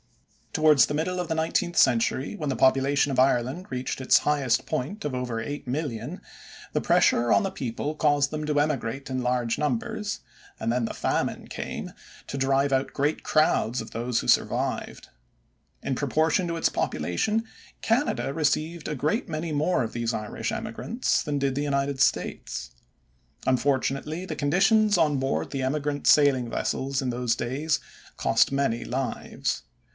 Towards the middle of the nineteenth century, when the population of Ireland reached its highest point of over 8,000,000, the pressure on the people caused them to emigrate in large numbers, and then the famine came to drive out great crowds of those who survived. In proportion to its population Canada received a great many more of these Irish emigrants than did the United States. Unfortunately the conditions on board the emigrant sailing vessels in those days cost many lives.